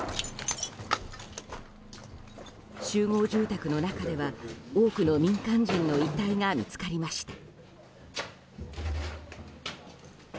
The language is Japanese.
集合住宅の中では多くの民間人の遺体が見つかりました。